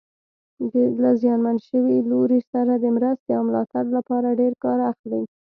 له زیانمن شوي لوري سره د مرستې او ملاتړ لپاره ډېر کار اخلي.